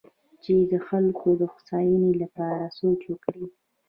چې د خلکو د هوساینې لپاره سوچ وکړي.